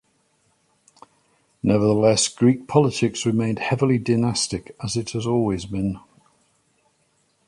Nevertheless, Greek politics remained heavily dynastic, as it has always been.